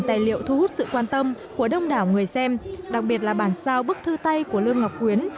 tài liệu thu hút sự quan tâm của đông đảo người xem đặc biệt là bản sao bức thư tay của lương ngọc quyến